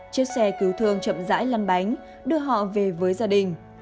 chiếc xe cứu thương chậm rãi lăn bánh đưa họ về với gia đình